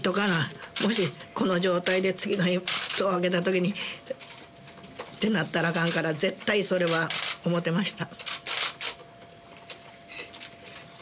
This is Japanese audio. もしこの状態で次の日開けたときに。ってなったらあかんから絶対それは思ってました。